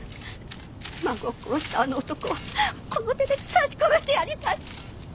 孫を殺したあの男をこの手で刺し殺してやりたい。